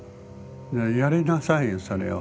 やりなさいよそれを。